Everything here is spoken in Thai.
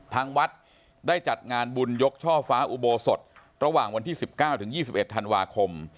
ทางวัดได้จัดงานบุญยกช่อฟ้าอุโบสถระหว่างวันที่๑๙ถึง๒๑ธันวาคม